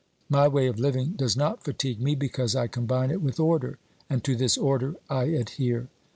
My way of living does not fatigue me, because I combine it with order, and to this order I adhere."